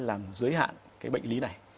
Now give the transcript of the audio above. làm giới hạn cái bệnh lý này